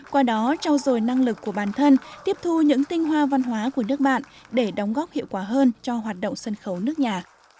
qua đó trao dồi năng lực của bản thân tiếp thu những tinh hoa văn hóa của nước bạn để đóng góp hiệu quả hơn cho hoạt động sân khấu nước nhà